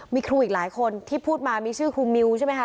มีครูอีกหลายคนที่พูดมามีชื่อครูมิวใช่ไหมคะ